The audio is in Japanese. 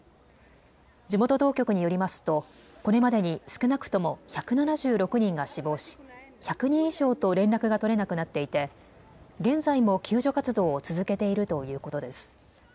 地元当局によりますとこれまでに少なくとも１７６人が死亡し、１００人以上と連絡が取れなくなっていて現在も救助活動を続けているということです。